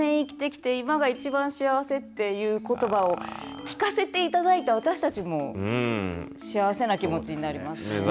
８５年生きてきて今が一番幸せっていうことばを聞かせていただいた私たちも幸せな気持ちになります。